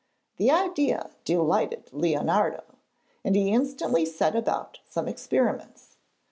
The idea delighted Leonardo, and he instantly set about some experiments.